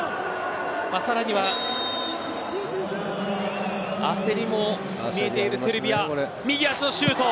さらには焦りも見えているセルビア、右足のシュート。